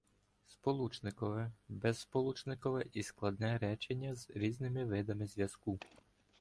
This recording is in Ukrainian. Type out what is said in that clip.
Сполучникове, безсполучникове і складне речення з різними видами зв'язку